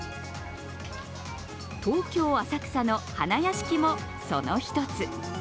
東京・浅草の花やしきも、その一つ。